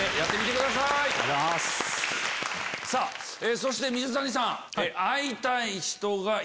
そして水谷さん。